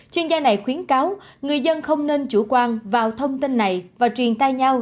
chuyên gia này khuyến cáo người dân không nên chủ quan vào thông tin này và truyền tay nhau